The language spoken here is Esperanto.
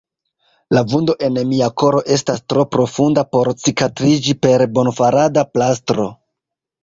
La vundo en mia koro estas tro profunda por cikatriĝi per bonfarada plastro.